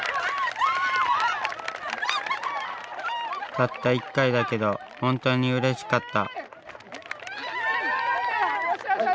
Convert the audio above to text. たった１回だけど本当にうれしかった。